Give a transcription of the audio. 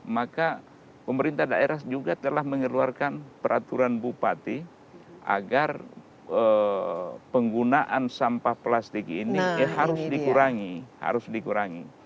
maka pemerintah daerah juga telah mengeluarkan peraturan bupati agar penggunaan sampah plastik ini harus dikurangi harus dikurangi